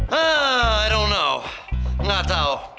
hah aku gak tau gak tau